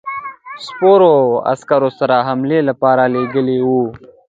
سپرو عسکرو سره حملې لپاره لېږلی وو.